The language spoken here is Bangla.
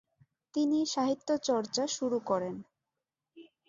তিনি সাহিত্য চর্চা শুরু করেন।